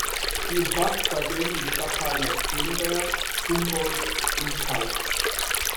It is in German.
Sie umfasst seitdem die Stadtteile Gremberg, Humboldt und Kalk.